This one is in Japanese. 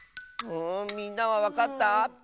みんなはわかった？